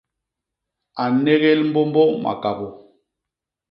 A nnégél mbômbô makabô.